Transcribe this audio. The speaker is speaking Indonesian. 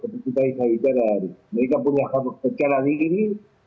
harus kita ikutkan mereka punya harus kecala diri